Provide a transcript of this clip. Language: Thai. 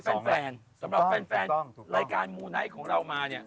สำหรับแฟนรายการมูนายของเรามา